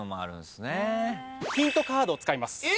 ヒントカードを使います。